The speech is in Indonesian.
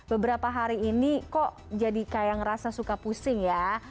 beberapa hari ini kok jadi kayak ngerasa suka pusing ya